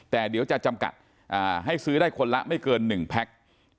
แต่เดี๋ยวจะจำกัดให้ซื้อได้คนละไม่เกิน๑แพ็ค